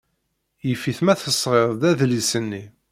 Yif-it ma tesɣid-d adlis-nni.